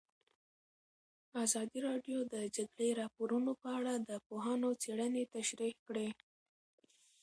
ازادي راډیو د د جګړې راپورونه په اړه د پوهانو څېړنې تشریح کړې.